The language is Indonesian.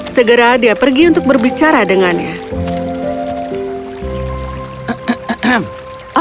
segera dia pergi untuk berbicara dengannya